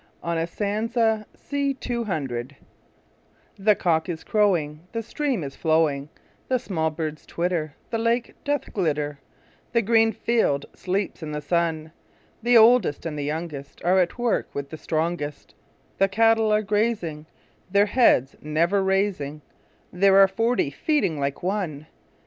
William Wordsworth Written in March THE cock is crowing, The stream is flowing, The small birds twitter, The lake doth glitter The green field sleeps in the sun; The oldest and youngest Are at work with the strongest; The cattle are grazing, Their heads never raising; There are forty feeding like one!